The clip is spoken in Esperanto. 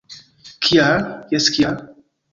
- Kial? - Jes, kial?